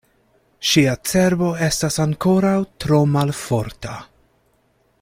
Ŝia cerbo estas ankoraŭ tro malforta.